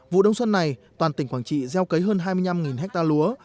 vụ đông xuân này toàn tỉnh quảng trị gieo cấy hơn hai mươi năm ha lúa